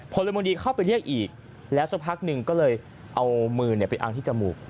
พลเมืองดีเข้าไปเรียกอีกแล้วสักพักหนึ่งก็เลยเอามือไปอังที่จมูก